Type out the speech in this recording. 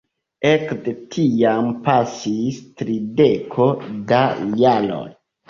Ekde tiam pasis trideko da jaroj.